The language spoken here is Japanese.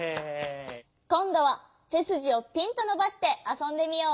こんどはせすじをピンとのばしてあそんでみよう。